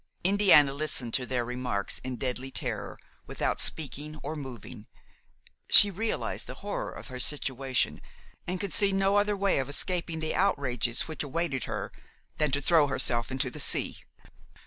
Indiana listened to their remarks in deadly terror, without speaking or moving; she realized the horror of her situation, and could see no other way of escaping the outrages which awaited her than to throw herself into the sea.